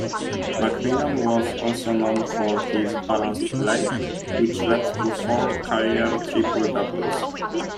McMillan was also known for his balanced play, which led to four career triple-doubles.